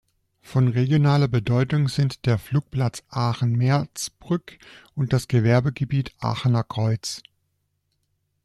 Von regionaler Bedeutung sind der Flugplatz Aachen-Merzbrück und das Gewerbegebiet „Aachener Kreuz“.